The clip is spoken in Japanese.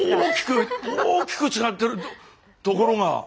大きく大きく違ってるところが。